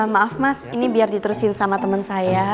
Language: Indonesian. maaf mas ini biar diterusin sama teman saya